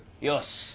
よし！